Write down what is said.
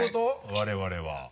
我々は。